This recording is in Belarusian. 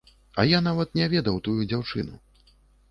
А я нават не ведаў тую дзяўчыну.